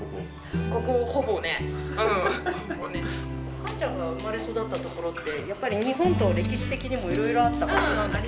韓ちゃんが生まれ育った所ってやっぱり日本と歴史的にもいろいろあったはずなんだけど。